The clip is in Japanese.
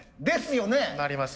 ですよね。